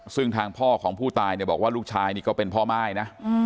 ซึ่งทางพ่อของผู้ตายเนี่ยบอกว่าลูกชายนี่ก็เป็นพ่อม่ายนะ